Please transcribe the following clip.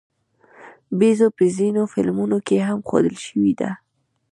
بیزو په ځینو فلمونو کې هم ښودل شوې ده.